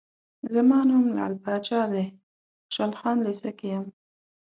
زما نوم لعل پاچا دی، خوشحال خان لېسه کې یم.